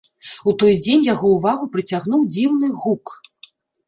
У той дзень яго ўвагу прыцягнуў дзіўны гук.